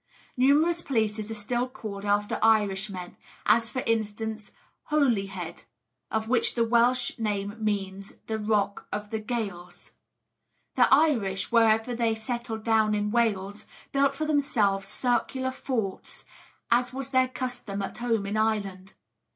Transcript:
Numerous places are still called after Irishmen, as, for instance, Holyhead, of which the Welsh name means the 'Rocks of the Gaels.' The Irish, wherever they settled down in Wales, built for themselves circular forts, as was their custom at home in Ireland.